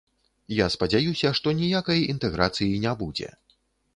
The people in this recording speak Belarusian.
Я спадзяюся, што ніякай інтэграцыі не будзе.